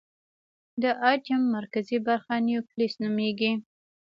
د ایټم مرکزي برخه نیوکلیس نومېږي.